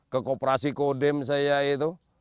ke kooperasi kodem saya itu